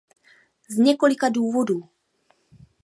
Z několika důvodů.